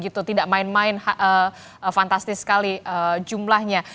tidak main main fantastis sekali jumlahnya